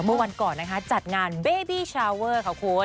เมื่อวันก่อนนะคะจัดงานเบบี้ชาวเวอร์ค่ะคุณ